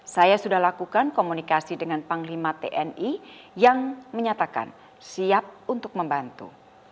saya sudah lakukan komunikasi dengan panglima tni yang menyatakan siap untuk membantu